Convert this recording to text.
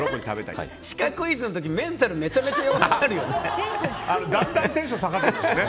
シカクイズの時メンタルめちゃめちゃ弱くなるよね。